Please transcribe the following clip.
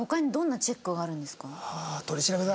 ああ取り調べだ。